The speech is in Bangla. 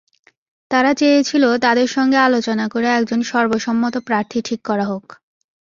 তারা চেয়েছিল তাদের সঙ্গে আলোচনা করে একজন সর্বসম্মত প্রার্থী ঠিক করা হোক।